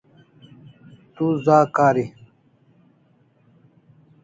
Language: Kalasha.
Tu za kari